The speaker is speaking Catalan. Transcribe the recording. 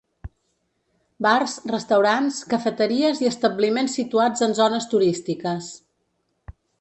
Bars, restaurants, cafeteries i establiments situats en zones turístiques.